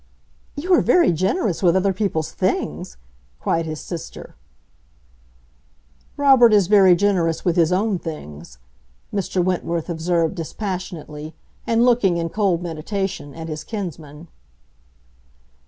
"You are very generous with other people's things!" cried his sister. "Robert is very generous with his own things," Mr. Wentworth observed dispassionately, and looking, in cold meditation, at his kinsman.